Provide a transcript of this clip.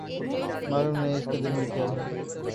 معلوم نہیں، اس کے دل میں کیاہے؟